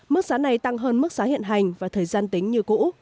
mức giá này tăng hơn mức giá hiện hành và thời gian tính như cũ